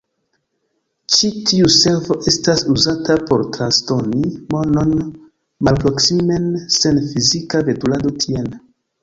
Ĉi tiu servo estas uzata por transdoni monon malproksimen sen fizika veturado tien.